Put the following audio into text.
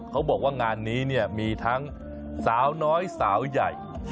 เขาบอกว่างานนี้เนี่ยมีทั้งสาวน้อยสาวใหญ่